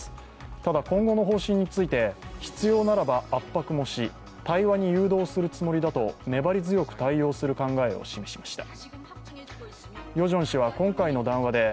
ただ、今後の方針について、必要ならば圧迫もし、対話に誘導するつもりだと粘り強く対応する考えを示しました。